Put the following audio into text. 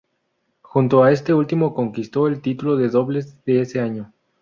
Junto a este último conquistó el título de dobles de ese año.